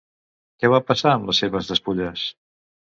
Què va passar amb les seves despulles?